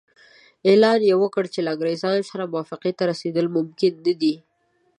اعلان یې وکړ چې له انګریزانو سره موافقې ته رسېدل ممکن نه دي.